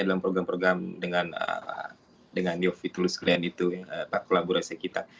dalam program program dengan yofi tulus klien itu kolaborasi kita